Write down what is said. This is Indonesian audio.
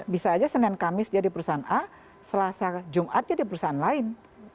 bisa aja senin kamis dia di perusahaan a selasa jumat dia di perusahaan lain